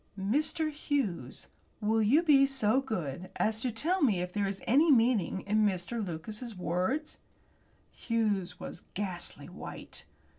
"Mr. Hughes, will you be so good as to tell me if there is any meaning in Mr. Lucas's words?" Hughes was ghastly white.